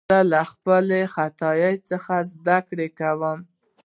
زه له خپلو خطاوو څخه زدکړه کوم.